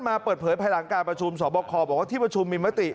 ขอบอกว่าที่ประชุมมิมติ